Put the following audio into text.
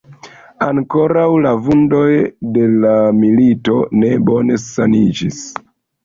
Ankoraŭ la vundoj de la milito ne bone saniĝis.